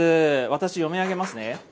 私読み上げますね。